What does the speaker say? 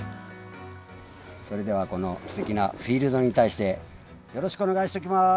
それでは、このすてきなフィールドに対して、よろしくお願いしときます！